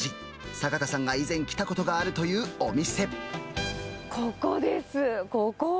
坂田さんが以前来たことがあるとここです、ここ。